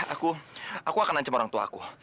aku aku akan ancem orang tua aku